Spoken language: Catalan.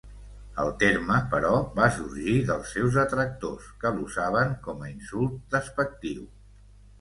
El terme, però, va sorgir dels seus detractors, que l'usaven com a insult despectiu.